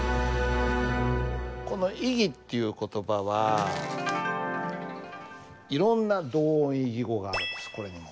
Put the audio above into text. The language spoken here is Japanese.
この「異義」っていう言葉はいろんな同音異義語があるんです。